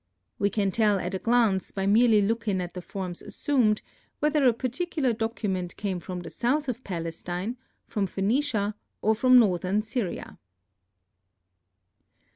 We can tell at a glance by merely looking at the forms assumed, whether a particular document came from the south of Palestine, from Phœnicia or from northern Syria."